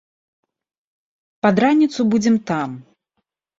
Пад раніцу будзем там!